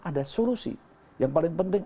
ada solusi yang paling penting